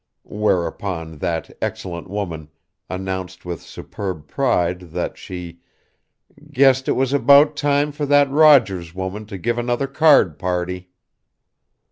Whereupon that excellent woman announced with superb pride that she "guessed it was about time for that Rogers woman to give another card party."